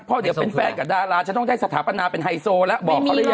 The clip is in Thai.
เพราะเดี๋ยวเป็นแฟนกับดาราจะต้องได้สถาปนาเป็นไฮโซแล้วบอกเขาได้ยังไง